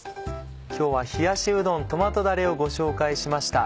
今日は「冷やしうどんトマトだれ」をご紹介しました。